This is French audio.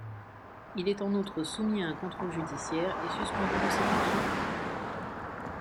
Il est en outre soumis à un contrôle judiciaire et suspendu de ses fonctions.